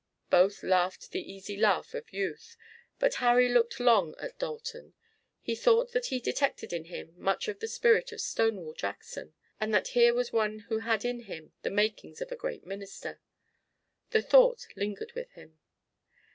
Both laughed the easy laugh of youth, but Harry looked long at Dalton. He thought that he detected in him much of the spirit of Stonewall Jackson, and that here was one who had in him the makings of a great minister. The thought lingered with him.